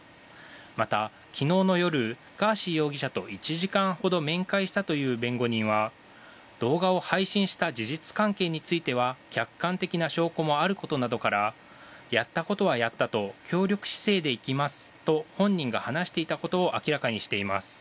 また昨日の夜、ガーシー容疑者と１時間ほど面会したという弁護人は動画を配信した事実関係については客観的な証拠もあることなどからやったことはやったと協力姿勢でいきますと本人が話していたことを明らかにしています。